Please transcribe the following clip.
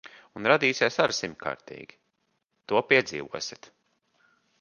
Un radīsies ar simtkārtīgi. To piedzīvosit.